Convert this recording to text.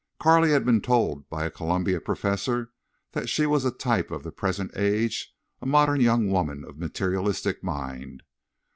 Carley had been told by a Columbia professor that she was a type of the present age—a modern young woman of materialistic mind.